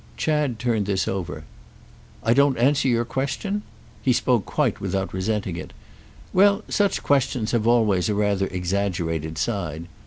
Chad turned this over. "I don't answer your question?" He spoke quite without resenting it. "Well, such questions have always a rather exaggerated side.